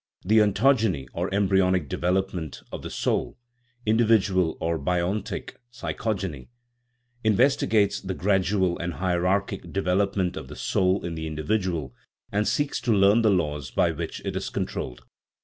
The ontogeny, or embryonic development, of the soul, individual or biontic psychogeny, investigates the gradual and hierarchic development of the soul in the individual, and seeks to learn the laws by which it is controlled.